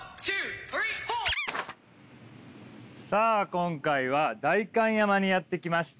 今回は代官山にやって来ました。